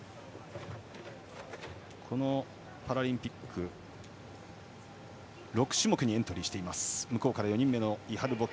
このパラリンピック６種目にエントリーしているイハル・ボキ。